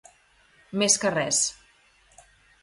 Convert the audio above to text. Més que res.